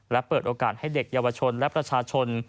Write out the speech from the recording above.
และเปิดโอกาสให้เด็กเยาวชนและประชาชน